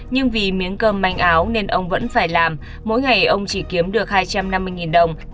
nhưng vì miếng cơm manh áo nên ông vẫn phải làm mỗi ngày ông chỉ kiếm được hai trăm năm mươi đồng